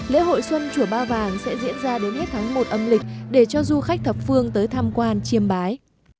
lễ hội xuân chùa ba vàng sẽ diễn ra đến hết tháng một âm lịch để cho du khách thập phương tới tham quan chiêm bái